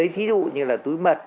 thí dụ như là túi mật